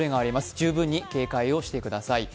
十分に警戒をしてください。